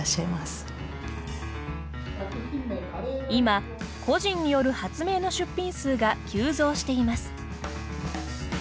今、個人による発明の出品数が急増しています。